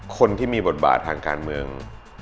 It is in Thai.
คนที่มีบทบาททางการเมือง